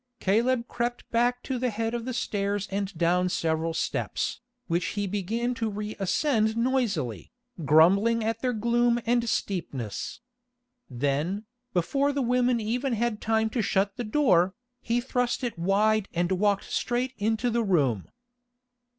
Caleb crept back to the head of the stairs and down several steps, which he began to re ascend noisily, grumbling at their gloom and steepness. Then, before the women even had time to shut the door, he thrust it wide and walked straight into the room.